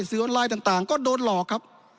สื่อออนไลน์ต่างก็โดนหลอกครับ